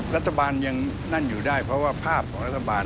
รัฐบาลยังนั่นอยู่ได้เพราะว่าภาพของรัฐบาล